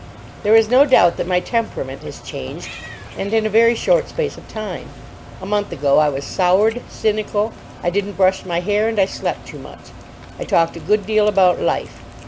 There is no doubt that my temperament has changed, and in a very short space of time. A month ago I was soured, cynical, I didn't brush my hair, and I slept too much. I talked a good deal about Life.